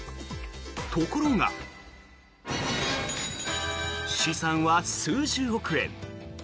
ところが資産は数十億円。